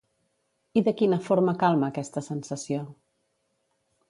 I de quina forma calma aquesta sensació?